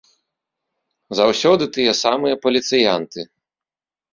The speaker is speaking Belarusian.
Заўсёды тыя самыя паліцыянты.